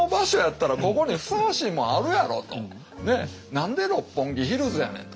何で「六本木ヒルズ」やねんと。